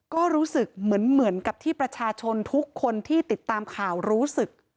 ก็รู้สึกเหมือนกับที่ประชาชนทุกคนที่ติดตามข่าวรู้สึก